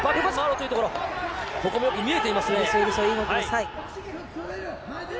ここもよく見えていますね。